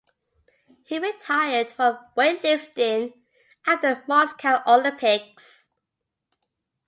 He retired from weightlifting after the Moscow Olympics.